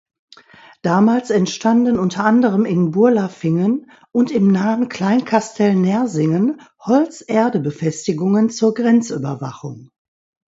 Damals entstanden unter anderem in Burlafingen und im nahen Kleinkastell Nersingen Holz-Erde-Befestigungen zur Grenzüberwachung.